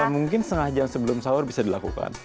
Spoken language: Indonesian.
mungkin setengah jam sebelum sahur bisa dilakukan